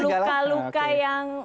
dengan luka luka yang